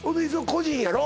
個人やろ？